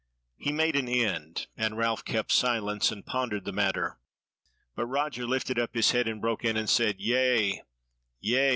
He made an end; and Ralph kept silence and pondered the matter. But Roger lifted up his head and broke in, and said: "Yea, yea!